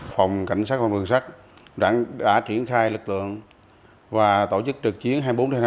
phòng cảnh sát và vườn sát đã triển khai lực lượng và tổ chức trật chiến hai mươi bốn hai mươi bốn